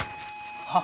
はっ？